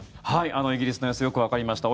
イギリスの様子よくわかりました。